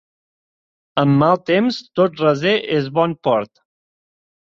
Amb mal temps tot recer és bon port.